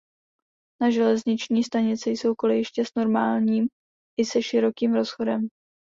Na železniční stanici jsou kolejiště s normálním i se širokým rozchodem.